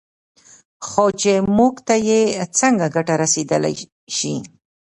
خو چې موږ ته یې څه ګټه رسېدای شي